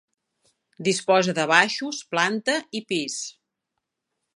Disposa de baixos, planta i pis.